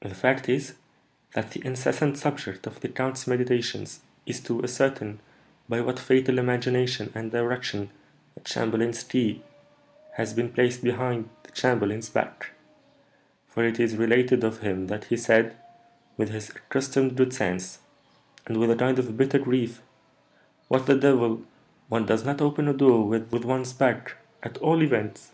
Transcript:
"The fact is, that the incessant subject of the count's meditations is to ascertain by what fatal imagination and direction the chamberlain's key has been placed behind the chamberlain's back; for it is related of him that he said, with his accustomed good sense, and with a kind of bitter grief, 'What, the devil! one does not open a door with one's back, at all events!'"